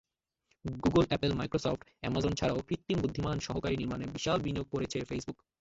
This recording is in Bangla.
গুগল, অ্যাপল, মাইক্রোসফট, আমাজন ছাড়াও কৃত্রিম বুদ্ধিমান সহকারী নির্মাণে বিশাল বিনিয়োগ করেছে ফেসবুক।